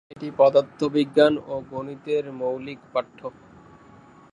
এটি পদার্থবিজ্ঞান ও গণিতের মৌলিক পাঠ্য।